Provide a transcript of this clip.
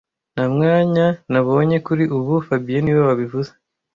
Nta mwanya nabonye kuri ubu fabien niwe wabivuze